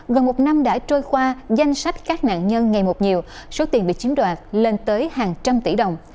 gần một năm đã trôi qua danh sách các nạn nhân ngày một nhiều số tiền bị chiếm đoạt lên tới hàng trăm tỷ đồng